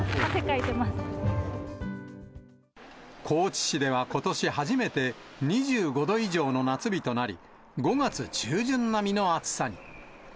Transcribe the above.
高知市ではことし初めて、２５度以上の夏日となり、５月中旬並みの暑さに。